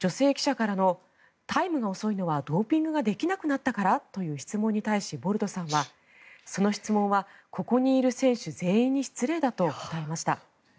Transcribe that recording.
ここで女性記者からのタイムが遅いのはドーピングができなくなったから？という質問に対しボルトさんはその質問はここにいる選手全員に失礼だと答えました。